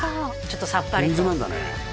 ちょっとさっぱりとポン酢なんだね